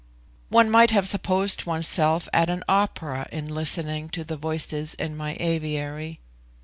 One might have supposed one's self at an opera in listening to the voices in my aviary.